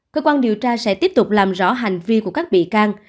cơ quan điều tra sẽ tiếp tục làm rõ hành vi của các bị can